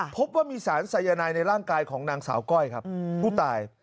พบว่ามีสารสายนายในร่างกายของนางสาวก้อยครับผู้ตาย